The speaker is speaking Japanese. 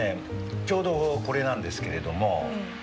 ちょうどこれなんですけれどもこれあの